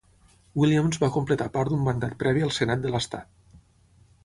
Williams va completar part d'un mandat previ al senat de l'Estat.